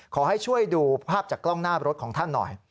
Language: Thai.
ขอให้ช่วยดูภาพจากกล้องหน้ารถของท่านหน่อย